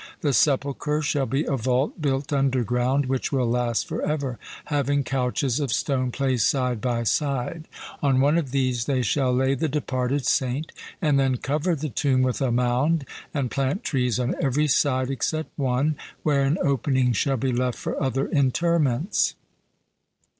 The sepulchre shall be a vault built underground, which will last for ever, having couches of stone placed side by side; on one of these they shall lay the departed saint, and then cover the tomb with a mound, and plant trees on every side except one, where an opening shall be left for other interments.